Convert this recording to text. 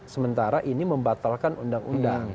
sementara ini membatalkan undang undang